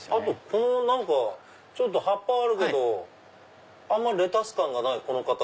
この葉っぱあるけどレタス感がないこの方は？